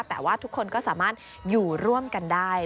แต่ว่าทุกคนก็สามารถอยู่ร่วมกันได้